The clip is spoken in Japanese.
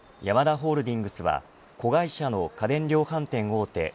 ヤマダホールディングスは子会社の家電量販店大手